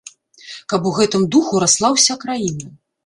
Каб у гэтым духу расла ўся краіна.